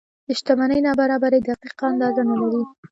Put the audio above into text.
د شتمنۍ نابرابرۍ دقیقه اندازه نه لري.